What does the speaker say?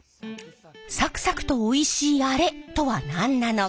サクサクとおいしいアレとは何なのか？